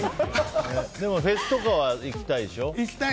でもフェスとかは行きたいでしょ。